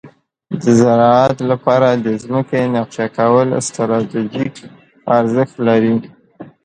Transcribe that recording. د زراعت لپاره د ځمکې نقشه کول ستراتیژیک ارزښت لري.